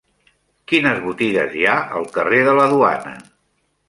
Quines botigues hi ha al carrer de la Duana?